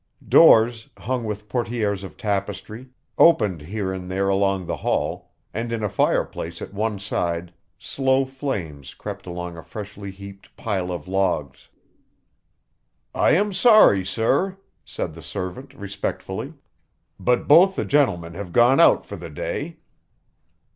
Doors, hung with portières of tapestry, opened here and there along the hall, and in a fireplace at one side slow flames crept along a freshly heaped pile of logs. "I am sorry, sir," said the servant, respectfully, "but both the gentlemen have gone out for the day."